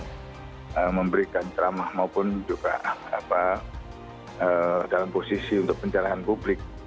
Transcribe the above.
untuk memberikan ceramah maupun juga dalam posisi untuk pencerahan publik